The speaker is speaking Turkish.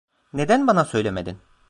Neden bana söylemedin?